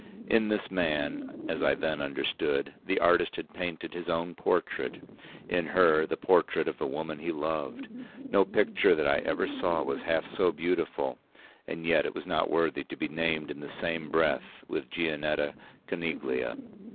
In this man, as I then understood, the artist had painted his own portrait; in her, the portrait of the woman he loved. No picture that I ever saw was half so beautiful, and yet it was not worthy to be named in the same breath with Gianetta Coneglia.